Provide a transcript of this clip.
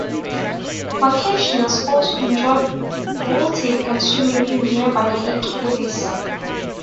Vacationers also enjoyed boating and swimming in nearby Lake Ellis.